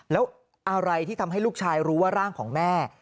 แล้วอะไรที่ทำให้ลูกชายรู้ว่าร่างของแม่